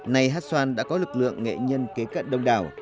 nay hát xoan đã có lực lượng nghệ nhân kế cận đông đảo